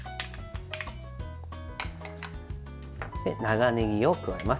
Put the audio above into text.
長ねぎを加えます。